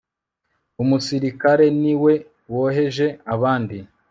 umusirikare ni we woheje abandi